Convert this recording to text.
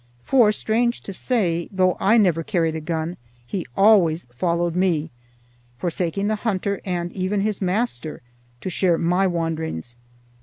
For, strange to say, though I never carried a gun, he always followed me, forsaking the hunter and even his master to share my wanderings.